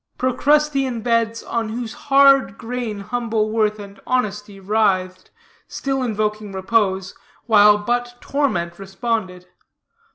Procrustean beds, on whose hard grain humble worth and honesty writhed, still invoking repose, while but torment responded.